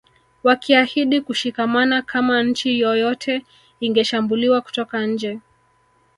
Wakiahidi kushikamana kama nchi yoyote ingeshambuliwa kutoka nje